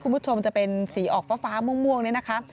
คุณผู้ชมจะเป็นสีออกฟ้าม่วงนี่นะคะ